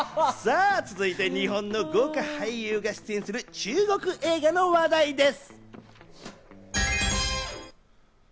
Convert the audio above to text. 続いては、日本の豪華俳優が出演する中国映画の話題です。